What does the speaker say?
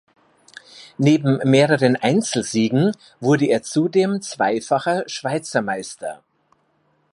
Neben mehreren Einzelsiegen wurde er zudem zweifacher Schweizermeister.